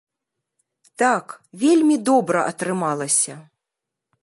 Так, вельмі добра атрымалася.